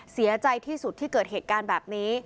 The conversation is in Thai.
เสียใจที่สุดที่เกิดเหตุการณ์แบบนี้